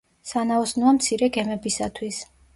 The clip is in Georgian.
სანაოსნოა მცირე გემებისათვის.